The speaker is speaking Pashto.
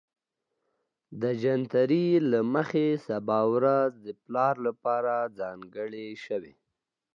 د جنتري له مخې سبا ورځ د پلار لپاره ځانګړې شوې